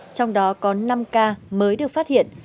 trong đó có năm ca mới được phát hiện